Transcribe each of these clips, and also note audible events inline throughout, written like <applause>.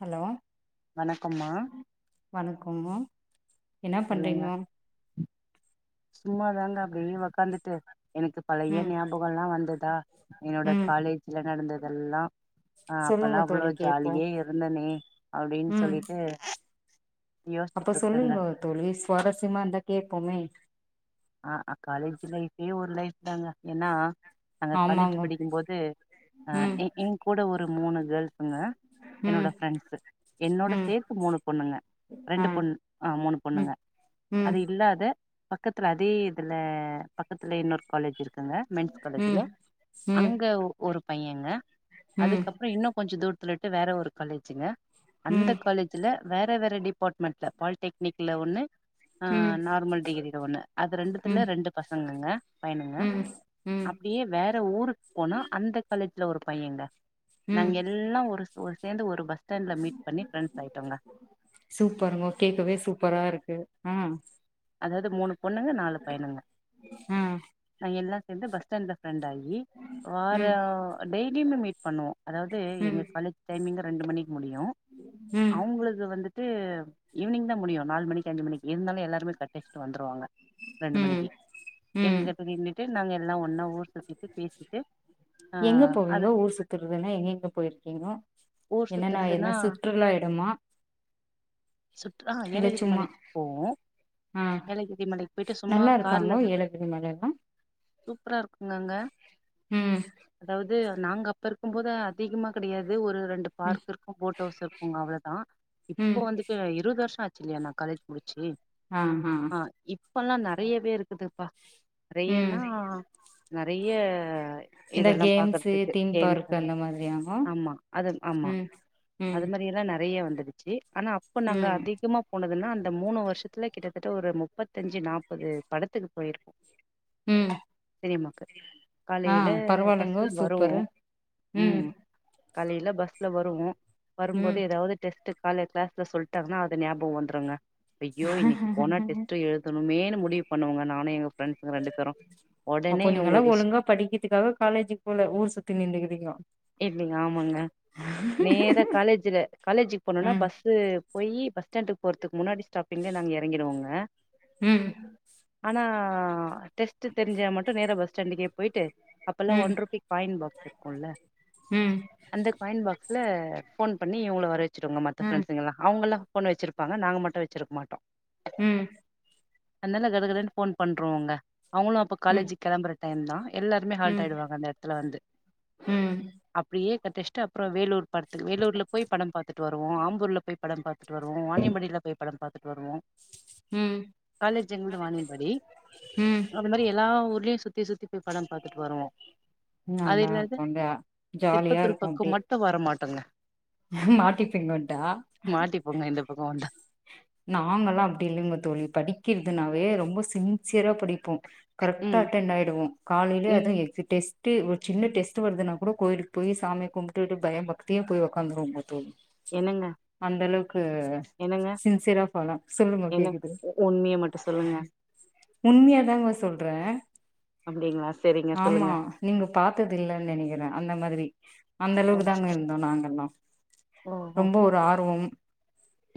hello வணக்கம்மா வணக்கம் மா என்ன சொல்லுங்க பண்றீங்கோ சும்மாதாங்க அப்படியே உக்காந்துட்டு எனக்கு பழைய ம் ஞாபகலாம் வந்ததா என்னோட ம் காலேஜ்ல நடந்ததெல்லாம் ஆஹ் சொல்லுங்க அப்பல்லாம் தோழி அவ்வளவு கேப்போ ஜாலியே இருந்தனே அப்படின்னு ம் சொல்லிட்டு அப்ப யோசிச்சுட்டு இருக்கங்க சொல்லுங்க தோழி சுவாரஸ்யமா இருந்தா கேட்போமே ஆஹ் காலேஜ் லைஃபே ஒரு லைப் என்னங்க என்னா நாங்க காலேஜ் ஆமாங்க படிக்கும்போது அஹ் ம் என் என் கூட ஒரு மூணு கேல்ஸ்ங்க ம் என்னோட ப்ரெண்ட்ஸ் என்னோட ம் சேர்த்து மூணு பொண்ணுங்க ஆ ரெண்டு பொண்ணு ஆஹ் மூணு ம் பொண்ணுங்க ம் அது இல்லாத பக்கத் அதே இதுல பக்கத்துல இன்னொரு காலேஜ் இருக்குங்க மென்ஸ் காலேஜ்ல ம் ம் அங்க ஒரு பையங்க ம் அதுக்கப்புறம் இன்னும் கொஞ்சம் தூர ரெண்டு வேற ஒரு காலேஜுங்க அந்த ம் காலேஜ்ல வேற வேறு டிபார்ட்மெண்ட்ல பால்டெக்னிக் ஒண்ணு ம் ஆஹ் நார்மல் டிகிரில ஒண்ணு ரெண்டுத்துல ம் ரெண்டு பசங்க சொல்லுங்க பயனுங்க ம் ம் அப்படியே வேற ஊருக்கு போனா அந்த காலேஜ் இதுல ஒரு பையங்க ம் நாங்க எல்லாம் ஒரு ஒரு சேர்ந்து ஒரு பஸ் ஸ்டாண்ட்ல மீட் பண்ணி ஃப்ரெண்ட்ஸ் ஆயிட்டோங்க சூப்பருங்க கேட்கவே சூப்பரா இருக்கு ஹம் அதாவது மூணு பொண்ணுங்க நாலு பயனுங்க ஆ நா என்ன எந்த பஸ்டாண்ட்ல ரண்ட வற ம் <unintelligible> லுமே மீட் பண்ணுவோம் அதாவது ம் ம் எங்க காலேஜ் டைமிங் ரெண்டு மணிக்கு முடியும் ம் அவுங்களது வந்து ட்டு ஈவ்னிங் தான் முடியும் நாலு மணிக்கு அஞ்சு மணிக்கு இருந்தாலும் எல்லாருமே கட் நெஸ்ட் வந்துருவாங்க ரெண்டு மணிக்கு ம் எங்க நின்னுட்டு நாங்க எல்லாம் ஒன்னா ஊர் சுத்திட்டு பேசிட்டு எங்க ஆஹ போவீங்க அது ஊர் சுத்துறதுன்னா எங்கெங்க போயிருக்கீங்கோ ஊர் என்னென்ன எதனா சுத்துறதுன்னா சுற்றுலா இடமா சுற்றுலா ஏலகிரி மலைக் போவோம் ஆஹ நல்லா இருக்காங்கா தா ஏலகிரி மலை எல்லாம் சூப்பரா இருக்குங்க அங்க ம் அதாவது து நாங்க அப்ப இருக்கும் போது அதிகமா கிடையாது ஒரு ரெண்டு ம் பார்க் இருக்கும் போட்டவுஸ் இருக்கும்ங்க அவ்ளவுதான் இப்போ ம் வந்து இருபது வருஷம் ஆ ச்சில்யா காலேஜ் முடிச்சு ஆ ஆ ஆஹ் இப்பல்லாம் நெறையவே இருக்குது ப்பா ம் நெறையன்னா நெறைய ஏ இந்த இதெல்லாம் கேம்ஸு பாக்குறதுக்கு தீம் பார்க் அந்த மாதிரியாங்கோ ஆமா ஆமா ம் ம் அது மாரி எல்லாம் நெறைய வந் சச்சு <unintelligible> ஆனா அப்ப நாங்க ம் அதிகமா போனதுன்னா மூணு வருஷத் த்துல கிட்டத்தட்ட ஒரு முப்பத்தஞ்சு நாற்பது படத்துக்கு போயிருப் ம் சேரிம்மாக்கு ஆ காலையில பரவாயில்லைங்கோ பஸ்ல சூப்பரு வருவோம் ம் உம் காலையில பஸ்ல வருவோம் வரும்போது ம் ஏதாவது டெஸ்ட் ட்டு காலயில கிளாஸ்ல சொல்லிட்டாங்கனா அது ஞாபகம் வந்துருங்க யோ இன்னைக்கு போனா டெஸ்ட் எழுதணுமே மு டிவு பண்ணுவங்க நானும் எங்க ஃப்ரெண்ட்ஸ்ங்க ரெண்டு பேரும் உடனே அப்போ நீங்கல்லா இவுங்களுக்கு ஒழுங்கா படிக்கிறதுக்காக காலேஜுக்கு போல ஊர் சுத்தி நின்டுக்கிறீங்கோ ஆமாங்க நேர காலேஜ்ல காலேஜ்க்கு போனனா ம் பஸ் பொய் பஸ்ஸாண்டுக்கு போறதுக்கு முன்னாடி இங்க நாங்க இறங்கிடுவோங்க ம் ஆனா டெஸ்ட் தெரிஞ்சா மட்டும் நேரா பஸ் சண்டிகைய போயிட்டு அப்பல்லாம் ம் ஒன் ருபி காயின் பாக்ஸ் இருக்கும்ல ம் அந்த காயின் பாக்ஸ்ல போன் பண்ணி இவங்கள வர வச் சிடுவாங்க மத்த ம் ப்ரெண்ஸ்கல்லாம் அவங்கல்லாம் போன் வச்சிருப்பாங்க நாங்க மட்டும் வச்சிருக்க மாட்டோம் உம் அதனால கடகடன்னு போன் பண்றோங்க அவங்களும் அப்ப ம் காலேஜி கிளம்பற டைம் தான் எல்லாருமே ஹால்ட் ம் ஆகிடுவாங்க அந்த இடத்துல வந்து ம் அப்படியே டெஸ்ட அப்பறம் வேலூர் படத்துக்கு வேலூர்ல போய் படம் பாத்துட்டு வருவோம் ஆம்பூர்ல போய் படம் பார்த்து ட்டு வருவோ வாணியபாடியில போய் படம் பாத்துட்டு வருவோம் ம் காலேஜ் எங்களது வாணியபாடி ம் அந்த மாரி எல்லா ஊர்லயும் சுத்தி சுத்தி போய் படம் பாத்துட்டு வருவோம் நல்லா இருக்கும் ஜாலியா இருக்கும் அப்டி தண்ண மாட்டிப்பீங்கோண்டா மாட்டிப்போங்க இந்த பக்கோ வந்தா நாங்கல்லாம் அப்டி இல்லைங்க தோழி படிக்கிறதுனாவே ரொம்ப சின்சியரா படிப்போம் கரெக்டா ம் அட்டென் ஆயிடுவோம் காலையிலேயே ம் அதுவும் எக்ஸ்டேஸ் ஒரு சின்னடெஸ்ட் வருதுனா கூட கோயிலுக்கு போய் சாமி கும்புடுட்டு பய பக்தியு போய் உக்காந்துருவோம் முதல் என்னங்க அந்த அளவுக்கு என்னங்க சிரபாலா சொல்லுங்க என்ன கேக்குது உண்மைய மட்டு சொல்லுங்க உண்மையாதாங்க சொல் சொல்றேன் அப்டிங்களா செரிங்க ஆமா சொல்லுங்க நீங்க பாத்தது இல்லைன்னு நினைக்கிறேன் அந்த மாதிரி அந்த ஓ அளவுக்கு தாங்க இருந்தோம் நாங்கெல்லாம் ரொம்ப ஒரு ஆர்வம்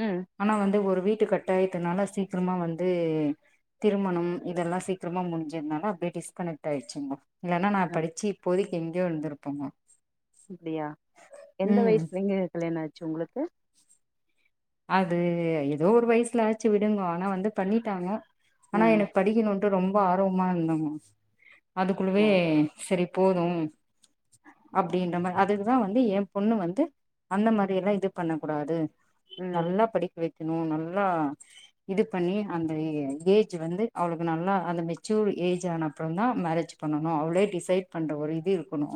உம் ஆனா வந்து ஒரு வீட்டு கட்டாயதுனால சீக்கிரமா வந்து திருமணம் இதெல்லாம் சீக்கிரமா முடிஞ்சதுனால அப்டியே டிஸ்கனெக்ட் ஆயிடுச்சுங்க இல்லைன்னா நான் படிச்சி இப்போதக் எங்கயோ இருந்திருப்போமா அப்டியா எந்த வயசுலங்க கல்யணா உங்களுக்கு அது ஏதோ ஒரு வயசுல ஆச்சி விடுங்கோ ஆனா வந்து பண்ணிட்டாங்க ஆனா ம் எனக்கு படிக்கணுன்னு ரொம்ப ஆர்வமா இருந்தங்கோ ஓ அதுக்குள்ளவே செரி போதும் அப்டின்ற மாரி அதுக்குதா வந்து என் பொண்ணு வந்து அந்த மாரி எல்லா இது பண்ண கூடாது ம் நல்லா படிக்க வைக் கணும் நல்லா இது பண்ணி அந்த ஏஜ் வந்து அவளுக்கு நல்லா அந்த மெச்சூர் ஏஜ் ஆன அப்புறோ தா மேரேஜ் பண்ணணு அவளே டிசைட் பண்ற ஒரு இது இருக்கணு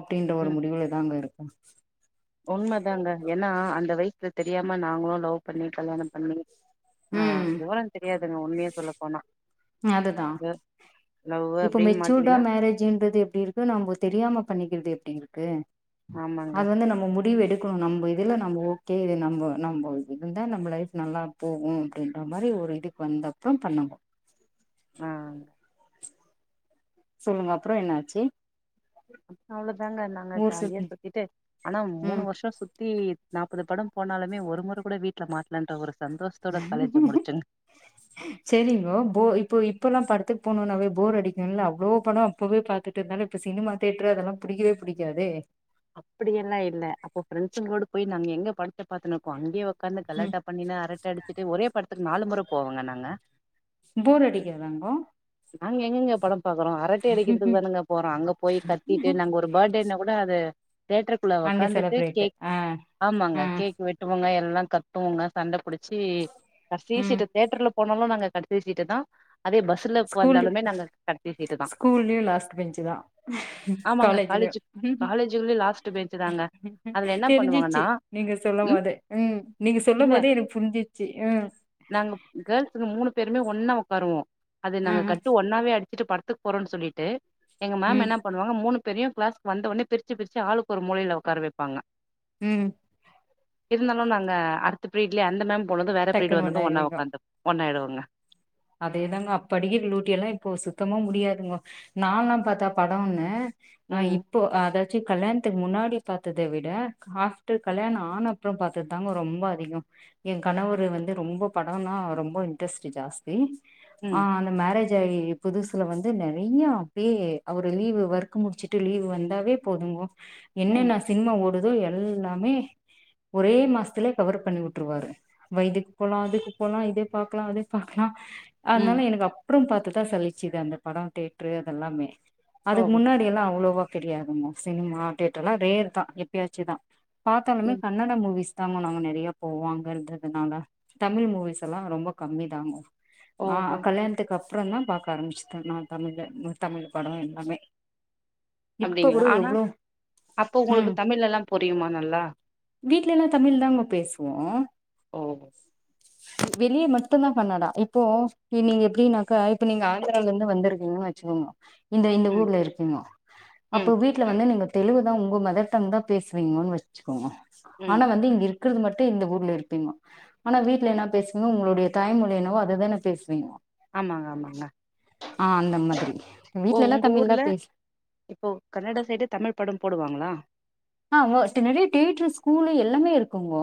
அப்டின்ற ஒரு ம் முடிவுல தாங்க இருக் உண்மதாங்க ஏன்னா அந்த வயசுல தெரியாம நாங்களும் லவ் பண்ணி கல்யாணம் பண்ணி ஆஹ் ம் விவரம் தெரியாது ங்க உண்மையே சொல்ல போனா அதுதா லவ் இப்ப அப்டின்னு மெச்சூர்டா மாட்டீங்கன்னா மேரேஜன்றது எப்டி இருக்கு நம் தெரியாம பண்ணிக்கிறது எப் டி இருக்கு ஆமாங்க அது வந்து நம்ம முடிவு எடுக் கணு நம்ப இதுல நம்ப ஓகே இது நம்ப நம்ப இருந்தா நம்ப லைஃப் நல்லா போகு அப்டின்ற மாரி ஒரு இதுக்கு வந்தப்புறோ பண்ணாங்கோ ஆ சொல்லுங்க அப்புறோ என்னாச்சி அவ்ளோதாங்க நாங்க ஜாலியா சுத்தி சுத்திட்டு ஆனா மூணு வருஷ சுத் தி நாற்பது படம் போனாலுமே ஒரு முற கூட வீட்டுல மாட்டலன்ற ஒரு சந்தோஷத்தோட காலேஜ முடிச்சங்க சேரிங்கோ போ இப்போ இப் அப்பெல்லா படத்துக்கு போணுன்னாவே போர் அடிக்குல்ல அவ்ளோ படம் அப்பவே பார்த்துட்டு இருந்தால இப்ப சினிமா தியேட்டர் அதெல்லா புடிக்கவே புடிக்காதே அப்படியெல்லா இல்ல அப்போ ஃப்ரெண்ட்ஸுங்களோடு போய் நாங்க எங்க படத்த பார்த்துனு இருப்போ அங்கே உக்காந்து ம் காலாட்டா பண்ணினு அரட்ட அடிச்சிட்டு ஒரே படத்துக்கு நாலு முற போவங்க நாங்க போர் அடிக்கதாங்கோ நாங்க எங்கெங்க படம் பாக்குறோ அரட்டை அடிக்கிறதுக்கு தானுங்க போறோ அங்க போய் கத்திட்டு நாங்க ஒரு பர்டே என்ன கூட அது தியேட்டருக்குள்ள அங்க உக்காந்துட்டு செலப்ரேட்டு கேக் ஆ ஆமாங்க ஆ கேக் வெட்டுவங்க எல்லா கத்துவோங்க சண்ட புடிச்சி கட்சி ம் சீட் தியேட்டர்ல போனாலும் நாங்க கடைசி சீட்ட தா அதே பஸ்ல ஸ்கூல் வந்தாலுமே நாங்க கடைசி சீட்டு தா ஸ்கூல்லையும் லாஸ்ட் பெஞ்சு தான் ஆமாங்க காலேஜ் காலேஜ்லையும் காலேஜ்லயே லாஸ்ட் பெஞ்சு தாங்க அதுல என்ன தெரிஞ்சிச்சு பண்ணுவாங்கன்னா நீங்க சொல்ல ம் போத உம் நீங்க சொல்ல இல்ல போதே எனக்கு புரிஞ்சிச்சு உம் நாங்க கேர்ள்ஸுங்க மூணு பேருமே ஒன்னா உக்காருவேம் அது நாங்க கட்டு ஒன்னாவே அடி வச்சட்டு படத்துக்கு போறோன்னு சொல்லிட்டு எங்க மேம் ம் என்ன பண்ணுவாங்க மூணு பெரிய கிளாஸ் வந்த உனே பிரிச் பிரிச்சு பிரிச்சு ஆளுக்கு ஒரு மூளையிலா உட்கார வைப்பாங்க உம் இருந்தாலும் நாங்க அடுத்து பீஃர் டுலைய அந்த மேம் உனது வேற பீரிடு டக்குன்னு வந்தந்து ஒன்ன ஒன்னாயிருவீங்கோ உக்காந்து ஒன்னாயிடுவே ஆ அதேதாங்க அப்படிக்கர லூட்டி எல்லாம் இப்போ சுத்தமா முடியாதுங்க நால்லாம் பார்த்தா படம்ன்னு ஆஹ் ம் இப்போ அத சி கல்யாணத்துக்கு முன்னாடி பார்த்ததை விட ஆப்டர் கல்யாணம் ஆன அப்பறம் பார்த்தது தாங்க ரொம்ப அதிகம் என் கணவர்ரு வந்து ரொம்ப படம்னா ரொம்ப இன்ட்ரெஸ்ட் ஜாஸ் ஹ <unintelligible> ம் ஆஹ அந்த மேரேஜ் புதுசுல வந்து நிறைய அப்படியே அவரு லீவு் ஒர்க் முடிச்சுட்டு லீவு் வந்தாவே போதுங்க ம் என்னனா சினிமா ஓடுது எல்லாமே ஒரே மாசத்திலயே கவர் பண்ணி விட்டுருவாரு வாயிதுக்கு போகலாம் அதுக்கு போகலாம் இத பாக்கலாம் அத பக்கலாம் கிளா அதனால ம் எனக்கு அப் அப்புறம் பாத்துதான் சழிச்சது அந்த படம் தேட்ரு அதெல்லாமே அதுக்கு ஓஹோ முன்னாடி எல்லாம் அவ்ளோவா தெரியாதுங்க சினிமா தோட்டர் எல்லாம் ரேர் தான் எப்பயாச்சுதான் பாத்தாலுமே ம் கன்னட மூவிஸ் அமா நாங்க நிறைய போவாங்கன்றதுனால தமிழ் மூவிஸ் எல்லாம் ரொம்ப கம்மி தாங்க ஓஹோ ஆஹ் கல்யாணத்துக்கு அப் அப்புறம் தான் பார்க்க ஆரம்பிச்சிட்டேன் நான் தமிழ் தமிழ் படம் எல்லாமே இப்ப அப்டிங்களா கூட ஆனா எவ்ளோ அப்ப உங்களுக்கு ம் தமிழ் எல்லாம் புரியுமா நல்லா வீட்ல எல்லாம் தமிழ் தானங்க பேசுவோம் ஓ வெளியே மட்டும் தான் கன்னட இப்போ நீங்க எப்டின்னாக்கா இப்ப நீங்க ஆந்திரில இருந்து வந்திருக்கீங்கன்னு வச்சுக்கோங்கோ இந்த இந்த ம் ஊர்ல இருக்கீங்கோ அப்போ ம் வீட்ல வந்து நீங்க தெலுகு தான் உங்க மதர் டங் தான் பேசுவீங்கன்னு வச்சுக்கோங்க ம் ஆனா வந்து இங்க இருக் இருக்கிறது மட்டும் இந்த ஊர்ல இருப்பீங்கோ ஆனா வீட்டுல என்ன பேசுவீங்க உங்களுடைய தாய்மொழி என்னவோ அதுதானே பேசுவீங்க ஆமாங்க ஆமாங்க ஆ அந்த மாதிரி ஓ வீட்ல எல்லா உங்க தமிழ்தா ஊர்ல பேசு இப்போ கன்னட சைடு தமிழ் படம் போடுவாங்களா ஆஹ தின்னடி தியேட்டரு ஸ்கூலு எல்லாமே இருக்குங்கோ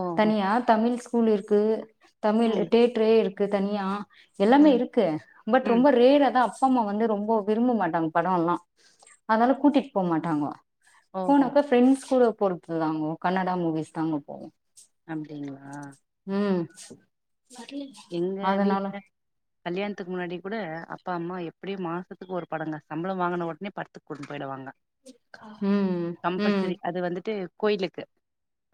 ஓஹோ தனியா தமிழ் ஸ்கூல் இருக்கு தமிழ் ம் தியேட்டரே இருக் க்கு தனியா எல்லாமே ம் இருக்கு பட் ம் ரொம்ப ரேரா தான் அப்பா அம்மா வந்து ரொம்ப விரும்ப மாட்டாங்க படம் எல்லாம் அதனால கூட்டிட்டு போக மாட்டாங்கோ ஓஹோ போனாக்க பிஃரெண்ட்ஸ் கூட பொறுத்து தாங்கோ கன்னடா மூவிஸ் தாங்கோ போவோம் அப்டிங்களா எங்க <inaudible> அதுனால வீட்ல கல்யாணத்துக்கு முன்னாடி கூட அப்பா அம்மா எப்டியும் மாதத்துக்கு ஒரு படங்க சம்பளம் வாங்கின உடனே படத்துக்கு கூட்டிட்டு போயிடு வாங்க ம் ம் கம்பல்சரி அது வந்துட்டு கோயிலுக்கு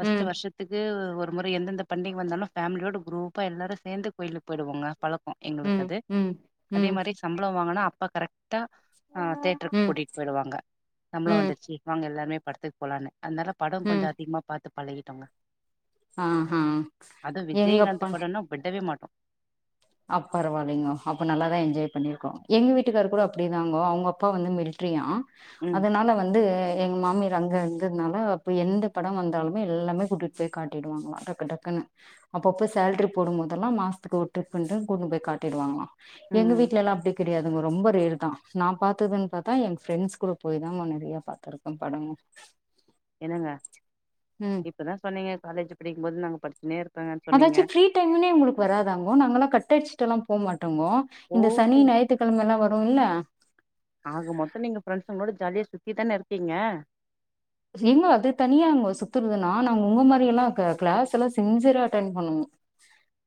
பஸ்ட் ம் வருஷத்துக்கு ஒரு முறை எந்தெந்த பண்டிகை வந்தாலும் பேமிலியோட குரூப்பா எல்லாரும் சேர்ந்து கோயிலுக்கு போயிடுவோங்க பழக்கம் எங்களுக்கு ம் அது ம் அதே ம் மாரி சம்பளம் வாங்குனா இப்ப கரெக்டா ஆஹ தேட்ருக்கு ம் கூட்டிட்டு போயிடுவாங்க சம்பளம் ம் வந்துருச்சு வாங்க எல்லாமே படத்துக்கு போலானு அதுனால படம் கொஞ்ச அதிகமா பாத் பழகிட்டோங்க ஆஹ் ஆஹ் எங்கப்ப வே மாட்டோம் அ பரவாயில்லங்கோ அப்போ நல்லாதான் என்ஜாய் பண்ணிருக்கோம் எங்க வீட்டுக்காரரு கூட அப்படிதாங்கோ அவங்க அப்பா வந்து மில்ட்ரியா ம் அதனால வந்து எங்க மாமியா அங்க இருந்ததுனால அப் எந்த படம் வந்தாலுமே எல்லாமே கூட்டிட்டு போய் காட்டிடுவாங்களாம் டக்கு டக்குனு அப்பப சேல்ரி போடும் போதெல்லாம் மாசத்துக்கு ஒரு ட்ரிப் ப கூட்ணு போய் காட்டிடு வாங்கிளா எங்க ம் வீட்ல எல்லாம் அப்படி கிடையாதுங்கோ ரொம்ப ரேர் தான் நான் பாத்ததுன்னு பாத்தா என் ஃப்ரெண்ட்ஸ் கூட போய் தான் நிறைய பாத்திருக்கோம் படம் என்னங்க இப்பதான் சொன்னீங்க காலேஜ் படிக்கும்போது நாங்க பட அதாச்சும் ஃப்ரீ டைம்னே உங்களுக்கு வராதாங்கோ நாங்கல்லாம் கட்டடிச்சுலாம் போ மாட் ங்கோ இந்த சனி ஓஹோ ஞாயித்துக்கிழமை எல்லாம் வரும் இல்ல சி தான இருக்கீங்க ஏங்க அது தனியாங்கோ சுத்துறதுன்னா நாங்க உங்க மாரி எல்லாம் கிளாஸ் எல்லாம் சின்சியரா அட்டென் பண்ணுவோம்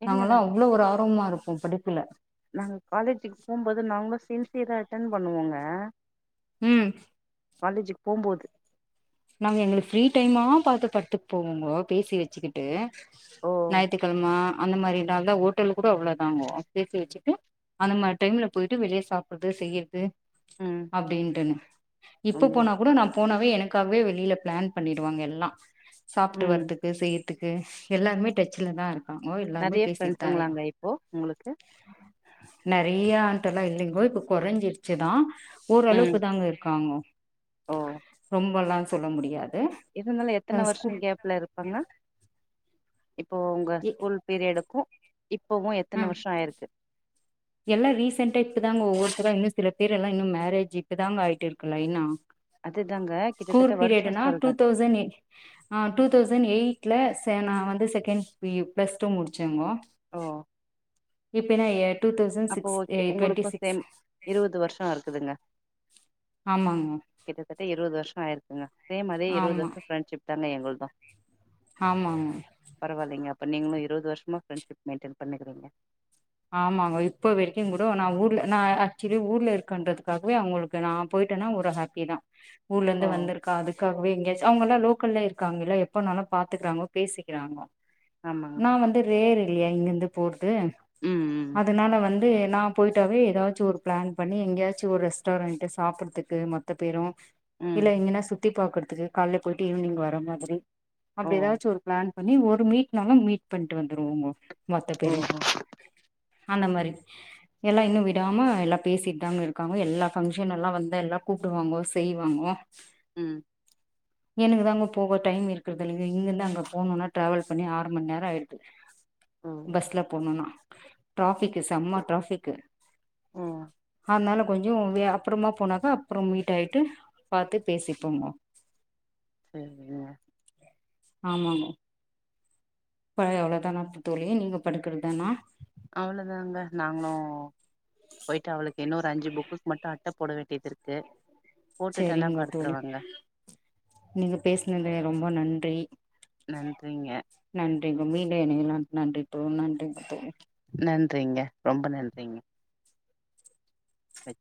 எங்கங்க நாங்கல்லாம் அவ்வளவு ஒரு ஆர்வமா இருப் ஒ படிப்பில நாங்க காலேஜ்கு போம்போது நாங்களும் சின்சியரா அட்டன் பண்ணுவோங்க உம் காலேஜூக்கு போம்போது நாங்க எங்களுக்கு ஃப்ரீ டைம்மா பாத்து படத்துக்கு போவோங்கோ பேசி வச்சுக்கிட்டு ஓ ஞாயித்து கிழம அந்த மாரி நாத ஓட்டலு கூட அவ்வுளோ தாங்கோ பேசி வச்சு அந்த மாரி டைம்ல போயிட்டு வெளியே சாப்பிடுறது செய்யிறது ம் அப்பிடிட்டுன்னு இப்ப அப்டிங் போனா கூட நான் போனா இப்ப என க்கா வெளியில பிளான் பண்ணிடுவாங்க எல்லாம் சாப்புட்டு ம் வரதுக்கு செய்ய த்துக்கு எல்லாருமே டச்சல தான் இருக் நெறைய ஃப்ரெண்ட்ஸ் குங்களாங்க இப்போ உங்களுக்கு நிறையா அண்டல்லாம் இல்லிங்க இப்ப குறைஞ்சிருச்சுதான் <inaudible> ம் ஓரளவுக்கு தாங்க இருக்காங்கோ ஓ ரொம்பலாம் சொல்ல முடியாது இருந்தாலும் அ எத்தனை ஸ்கூ வருஷம் கேப்ல இருப்பாங்க இப்போ உங்க எ ஸ்கூல் பீரியடுக்கும் இப்பவும் எத்தன வருஷம் ஆயிருக்கு எல்லாம் ரீசெண்டா இப்பதாங்க ஒவ்வொருத்தரா இன்னும் சில பேர் எல்லாம் இன்னும் மேரேஜ் இப்பதாங்க ஆயிட்டு இருக்கு லைன்னா அதுதாங்க கிட்டத்தட்ட ஸ்கூர் வருஷோ பீரியடனா டூ சொல்றே தெளசண் ஆ டூ தெளசண்ட் எயிட் வீட்ல சே நான் வந்து செகண்ட் பியூ பிளஸ் டூ முடிச்சேங்கோ ஓ இப்ப என்ன இயர் அப்போ ஓகே உங்களுக்கும் சேம் இருபது வருஷம் இருக்குதுங்க ஆமாங்க கிட்டத்தட்ட இருபது வருஷம் ஆய் இருக்குங்க சேம் அதே இருபது வருஷம் ஃப்ரெண்டஷிப் தாங்க எங்களுக்கு ஆ <inaudible> ஆமா ஆமா பரவாயில்லைங்க அப்போ நீங்களும் இருபது வருஷமா ஃப்ரெண்ட்ஷிப் மெயின்டென் பண்ணியிக்குறீங்க ஆமாங்க இப்ப வரைக்கும் கூட நான் ஊர்ல நான் ஆக்சுவலி ஊர்ல இருக்கன்றதுக்காகவே அவங்களுக்கு நான் போயிட்டேனா ஒரு ஹாப்பி தான் ஊர்ல ஓ இருந்து வந்திருக்கா அதுாகவே எங்கேயாச்சும் அவுங்க எல்லாம் லோக்கல்ல இருக்கா இல்ல எப்பனாலும் பாத்துக்கறாங்க பேசிக்கிறாங்க ஆமாங்க நான் வந்து ரேர் இல்லையா இங்கிருந்து போற்து ம் ம் அதனால வந் து நான் போய்டிட்டாவே ஏதாச்சும் ஒரு பிளான் பண்ணி எங்கேயாச்சும் ஒரு ரெஸ்டாரண்ட்டு சாப்பிட்றதுக்கு மொத்த பேரும் ம் இல்ல இங்கனா சுத் தி பார்கறதுக்கு கால்ல போயிட்டு ஈவினங் வர மாதிரி ஓ அப்படி தான் வச்சு ஒரு ப்ளான் பண்ணி ஒரு மீட்னாலும் மீட் பண்ணிட்டு வந்துருவோமா மொத்த பேரு ஓஹோ அந்த மாதிரி எல்லாம் இன்னும் விடாம எல்லாம் பேசிட்டாங்க இருக்காங்க எல்லா ஃபங்க்ஷன் எல்லாம் வந்த எல்லாம் கூப்பிடுவாங்கோ செய்வாங்கோ ம் எனக்கு தாங்க போக டைம் இருக்குறது இல்லை இங்கிருந்து அங்கே போணும்னா டிராவல் பண்ணி ஆறு மணி நேரம் ஆயிடுது ஓ பஸ்ல போணும்னா டிராபிக்கு செம்ம டிராபிக்கு ஓ அதனால கொஞ்சம் அப்புறமா போனாக்கா அப்புறம் மீட் ஆயிட்டு பார்த்து பேசிப்போங்க செரி ஆமாங்க பணி அவ்வளவு தான தோழி நீங்க படுக்குறதுதானா அவ்வளோதாங்க நாங்களும் போயிட்டு அவளுக்கு இன்னொரு அஞ்சு புக்குக்கு மட்டும் அட்டை போட வேண்டியது இருக்கு போட்டுட்டேன்னா செரிங்க தோழி படுத்துருவாங்க நீங்க பேசினது ரொம்ப நன்றி நன்றிங்க நன்றி மீண்டும் எல்லாருக்கும் நன்றி ூனெண்டக்கு நன்றிங்க ரொம்ப நன்றிங்க வெ